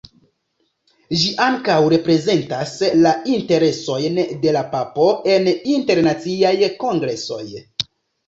Ĝi ankaŭ reprezentas la interesojn de la papo en internaciaj kongresoj.